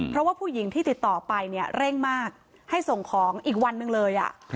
เพราะว่าผู้หญิงที่ติดต่อไปเนี่ยเร่งมากให้ส่งของอีกวันหนึ่งเลย